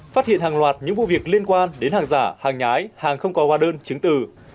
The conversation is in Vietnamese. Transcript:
phát hiện hàng loạt những vụ việc liên quan đến hàng giả hàng nhái hàng không có hóa đơn chứng từ